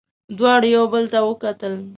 دواړو یو بل ته وکتل.